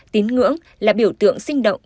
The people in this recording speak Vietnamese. tín ngưỡng là biểu tượng sinh động